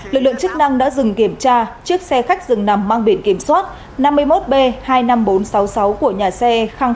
lực lượng chức năng đã dừng kiểm tra chiếc xe khách dừng nằm mang biển kiểm soát năm mươi một b hai mươi năm nghìn bốn trăm sáu mươi sáu của nhà xe khang